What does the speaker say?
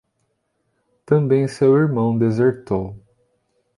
Também seu irmão desertou.